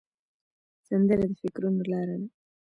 سندره د فکرونو لاره ده